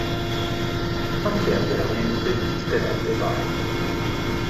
Ma chi è veramente il tenente Tyler?